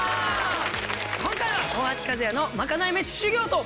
今回は大橋和也のまかない飯修業と。